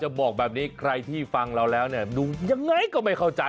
บอกแบบนี้ใครที่ฟังเราแล้วเนี่ยดูยังไงก็ไม่เข้าใจ